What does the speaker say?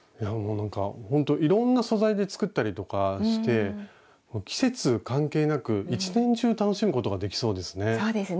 なんかほんといろんな素材で作ったりとかして季節関係なく一年中楽しむことができそうですね。